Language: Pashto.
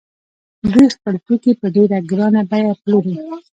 دوی خپل توکي په ډېره ګرانه بیه پلوري